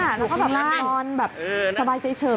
แล้วก็แบบนอนแบบสบายใจเฉิบ